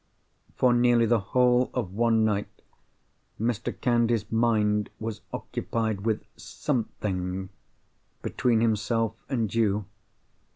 For nearly the whole of one night, Mr. Candy's mind was occupied with something between himself and you.